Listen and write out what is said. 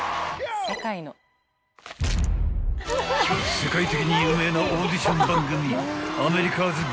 ［世界的に有名なオーディション番組］